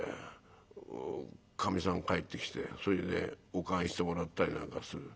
かみさん帰ってきてそれでお燗してもらったりなんかする。